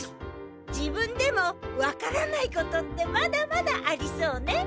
自分でも分からないことってまだまだありそうね